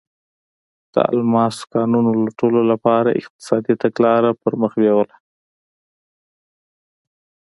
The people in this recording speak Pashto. د الماسو کانونو لوټلو لپاره یې اقتصادي تګلاره پر مخ بیوله.